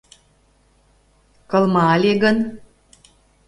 — Кылма ыле гын?